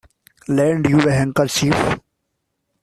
Lend you a handkerchief?